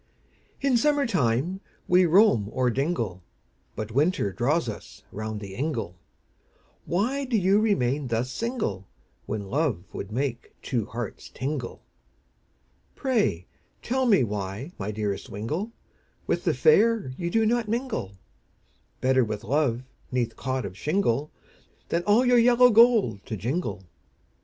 In summer time we roam o'er dingle, But winter draws us round the ingle, Why do you remain thus single, When love would make two hearts tingle, Pray, tell me why my dearest wingle, With the fair you do not mingle, Better with love 'neath cot of shingle, Than all your yellow gold to jingle.